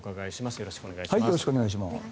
よろしくお願いします。